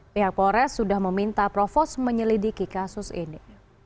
pihak polres sudah meminta provos menyelidiki kasus ini